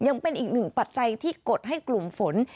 ยังเป็นอีกหนึ่งปัจจัยที่กดให้กลุ่มฝน